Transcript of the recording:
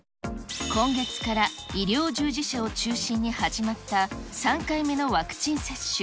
今月から医療従事者を中心に始まった３回目のワクチン接種。